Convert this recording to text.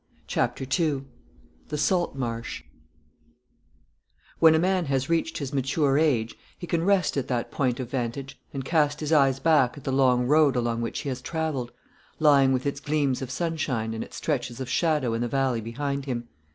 CHAPTER II THE SALT MARSH When a man has reached his mature age he can rest at that point of vantage, and cast his eyes back at the long road along which he has travelled, lying with its gleams of sunshine and its stretches of shadow in the valley behind him.